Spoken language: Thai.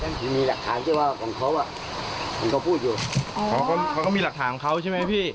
ถึงมีหลักฐานที่ว่าของเขาอ่ะเห็นเขาพูดอยู่เขาก็มีหลักฐานเขาใช่ไหมพี่